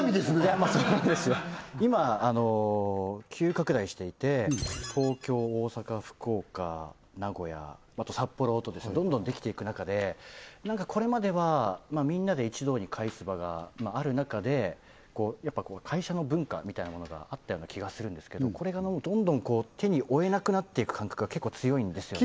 もうそうなんですよ今急拡大していて東京大阪福岡名古屋あと札幌とどんどんできていく中でなんかこれまではみんなで一堂に会す場がある中でやっぱ会社の文化みたいなものがあったような気がするんですけどこれがどんどん手に負えなくなっていく感覚が結構強いんですよね